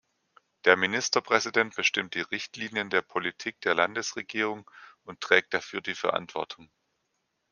Der Ministerpräsident bestimmt die Richtlinien der Politik der Landesregierung und trägt dafür die Verantwortung.